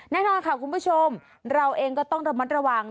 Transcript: แน่นอนค่ะคุณผู้ชมเราเองก็ต้องระมัดระวัง